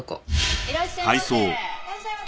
いらっしゃいませ。